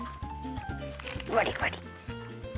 バリバリ。